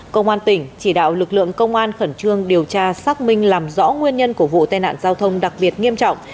công an tỉnh chỉ đạo lực lượng công an khẩn trương điều tra xác minh làm rõ nguyên nhân của vụ tai nạn giao thông đặc biệt nghiêm trọng